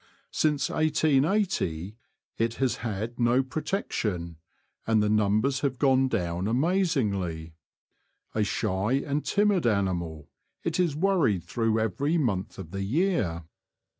Since 1880 it has had no protection, and the numbers have gone down amazingly. A shy and timid animal, it is worried through every month of the year.